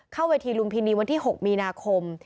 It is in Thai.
เข้าเวทีลุมพินีวันที่๖มีนาคม